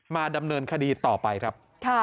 มาดำเนินคดีต่อไปครับ